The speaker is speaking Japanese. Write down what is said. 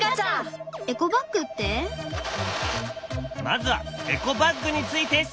まずはエコバッグについて調べよう！